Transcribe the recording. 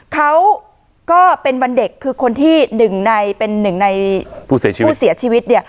เขาก็เป็นวันเด็กคือคนที่เป็นหนึ่งในผู้เสียชีวิต